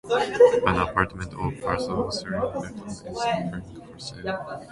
An apartment of Palazzo Surian Bellotto is offered for sale.